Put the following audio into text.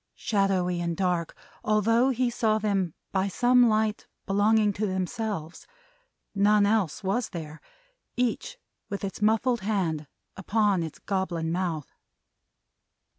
Shadowy and dark, although he saw them by some light belonging to themselves none else was there each with its muffled hand upon its goblin mouth.